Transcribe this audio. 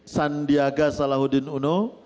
sandiaga salahuddin uno